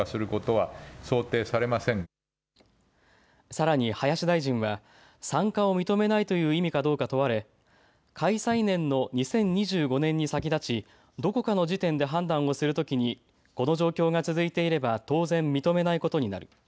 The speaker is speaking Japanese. さらに林大臣は参加を認めないという意味かどうか問われ開催年の２０２５年に先立ちどこかの時点で判断をするときにこの状況が続いていれば当然、認めないことになる。